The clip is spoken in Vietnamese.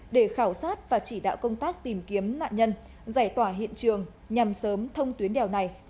để khảo sát và chỉ đạo công tác tìm kiếm nạn nhân giải tỏa hiện trường nhằm sớm thông tuyến đèo này